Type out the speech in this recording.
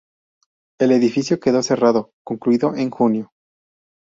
El edificio quedó cerrado, concluido, en junio.